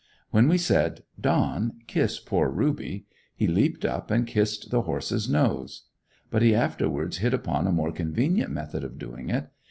When we said, "Don, kiss poor Ruby," he leaped up and kissed the horse's nose. But he afterwards hit upon a more convenient method of doing it.